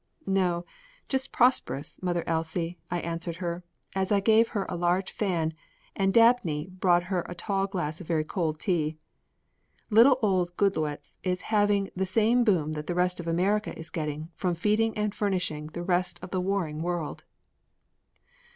"No, just prosperous, Mother Elsie," I answered her as I gave her a large fan and Dabney brought her a tall glass of very cold tea. "Little old Goodloets is having the same boom that the rest of America is getting from feeding and furnishing the rest of the warring world."